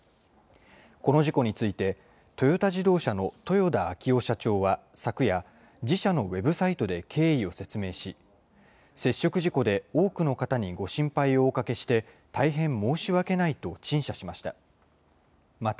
この事故について、トヨタ自動車の豊田章男社長は昨夜、自社のウェブサイトで経緯を説明し、接触事故で多くの方にご心配をおかけして、大変申し訳ないと陳謝しました。